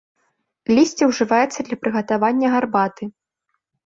Лісце ўжываецца для прыгатавання гарбаты.